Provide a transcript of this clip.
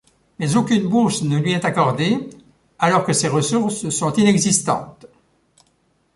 Mais aucune bourse ne lui est accordée, alors que ses ressources sont inexistantes.